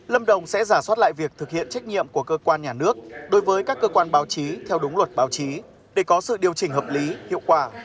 lâm đồng sẽ giả soát lại việc thực hiện trách nhiệm của cơ quan nhà nước đối với các cơ quan báo chí theo đúng luật báo chí để có sự điều chỉnh hợp lý hiệu quả